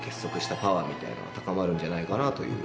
みたいなのは高まるんじゃないかなという。